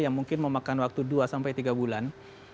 yang mungkin memakan waktu dua sampai tiga bulan